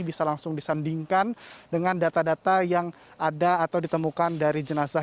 bisa langsung disandingkan dengan data data yang ada atau ditemukan dari jenazah